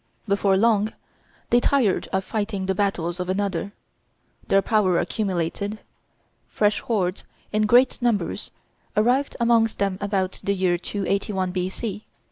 Before long they tired of fighting the battles of another; their power accumulated; fresh hordes, in great numbers, arrived amongst them about the year 281 B.C.